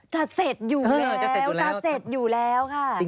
จะเสร็จอยู่แล้วค่ะ